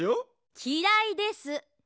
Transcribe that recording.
きらいです。